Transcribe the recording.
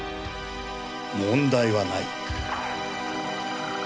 問題はない。